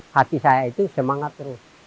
hati saya itu semangat terus